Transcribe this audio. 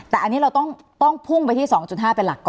แต่อันนี้เราต้องพุ่งไปที่๒๕เป็นหลักก่อน